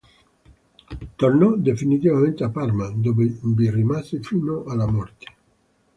Tornò definitivamente a Parma, dove vi rimase fino alla morte.